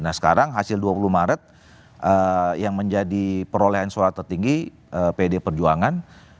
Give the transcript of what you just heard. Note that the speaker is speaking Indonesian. nah sekarang hasil dua puluh maret yang menjadi perolehan suara tertinggi pd perjuangan